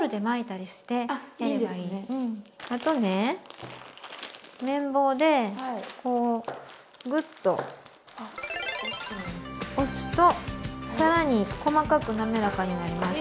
あとねめん棒でこうグッと押すと更に細かく滑らかになります。